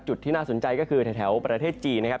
ที่น่าสนใจก็คือแถวประเทศจีนนะครับ